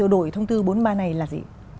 đổi thông tư bốn mươi ba này là gì